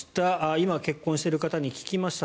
今結婚している方に聞きました。